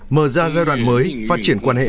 mở ra giai đoạn mới phát triển quan hệ